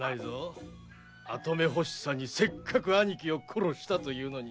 跡目ほしさにせっかく兄貴を殺したというのに。